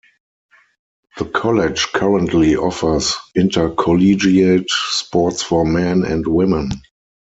The college currently offers intercollegiate sports for men and women.